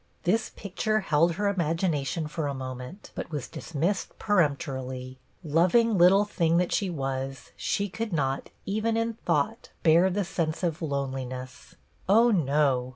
This picture held her imagination for a moment, but was dismissed peremptorily. Loving little thing that she was, she could not, even in thought, bear the sense of loneliness. Oh, no